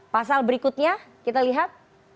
pasal berikutnya kita lihat